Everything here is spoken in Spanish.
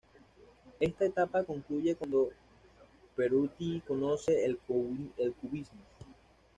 Esta etapa concluye cuando Pettoruti conoce el cubismo.